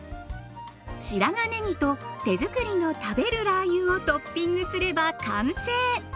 白髪ねぎと手づくりの食べるラー油をトッピングすれば完成。